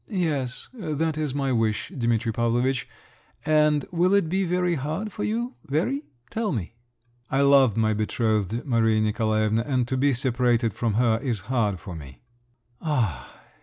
"Yes; that is my wish, Dimitri Pavlovitch. And will it be very hard for you? Very? Tell me." "I love my betrothed, Maria Nikolaevna, and to be separated from her is hard for me." "Ah!